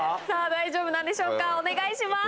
大丈夫なんでしょうかお願いします。